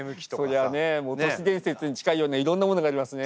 そりゃねもう都市伝説に近いようないろんなものがありますね